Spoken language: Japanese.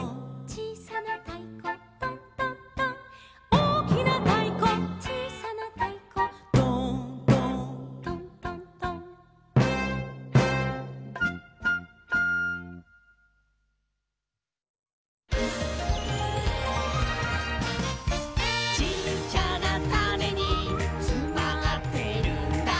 「おおきなたいこちいさなたいこ」「ドーンドーントントントン」「ちっちゃなタネにつまってるんだ」